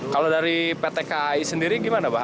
kalau dari pt kai sendiri gimana pak